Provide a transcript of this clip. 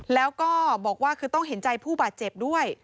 แล้วก็บอกว่าคือต้องเห็นใจผู้บาดเจ็บด้วย